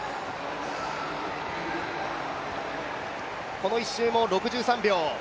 この１周も６３秒。